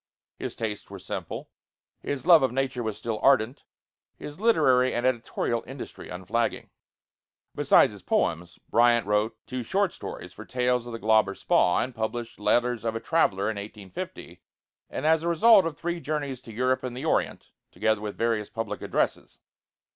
His tastes were simple, his love of nature was still ardent; his literary and editorial industry unflagging. Besides his poems, Bryant wrote two short stories for 'Tales of the Glauber Spa'; and published 'Letters of a Traveler' in 1850, as a result of three journeys to Europe and the Orient, together with various public addresses.